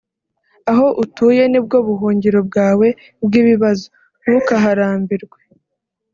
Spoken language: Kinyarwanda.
… aho utuye nibwo buhungiro bwawe bw’ibibazo ntukaharambirwe